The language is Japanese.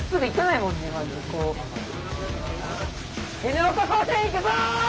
Ｎ岡高専いくぞ！